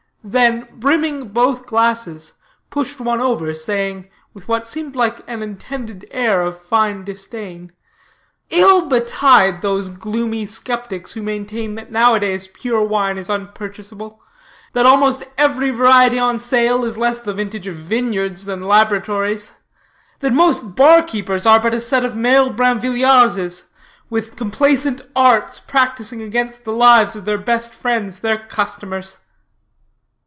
Then brimming both glasses, pushed one over, saying, with what seemed intended for an air of fine disdain: "Ill betide those gloomy skeptics who maintain that now a days pure wine is unpurchasable; that almost every variety on sale is less the vintage of vineyards than laboratories; that most bar keepers are but a set of male Brinvilliarses, with complaisant arts practicing against the lives of their best friends, their customers."